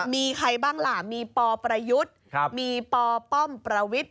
มีใครบ้างล่ะมีปประยุทธ์มีปป้อมประวิทธิ